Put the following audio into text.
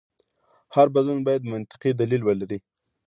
هر بدلون باید منطقي دلیل ولري.